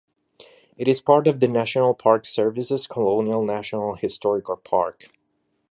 It is part of the National Park Service's Colonial National Historical Park.